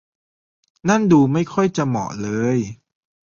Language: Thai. นั่นดูไม่ค่อยจะเหมาะเลย